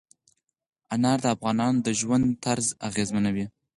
انار د افغانانو د ژوند طرز اغېزمنوي.